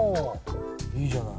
いいじゃない。